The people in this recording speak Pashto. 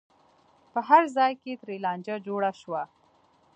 په هر ځای کې ترې لانجه جوړه شي.